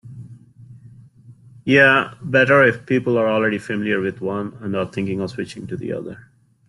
Yeah, better if people are already familiar with one and are thinking of switching to the other.